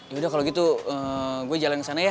yaudah kalau gitu gue jalan ke sana ya